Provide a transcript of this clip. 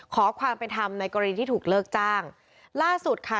ขอความเป็นธรรมในกรณีที่ถูกเลิกจ้างล่าสุดค่ะ